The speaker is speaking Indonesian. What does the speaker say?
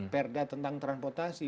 perda tentang transportasi